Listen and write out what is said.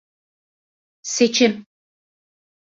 Seçim.